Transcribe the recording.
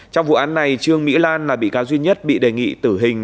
trong vụ án này trương mỹ lan là bị cáo duy nhất bị đề nghị tử hình